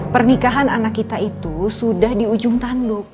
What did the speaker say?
pernikahan anak kita itu sudah di ujung tanduk